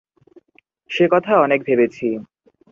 সে কথা অনেক ভেবেছি।